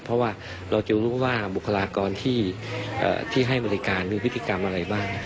เพราะว่าเราจะรู้ว่าบุคลากรที่ให้บริการมีพฤติกรรมอะไรบ้าง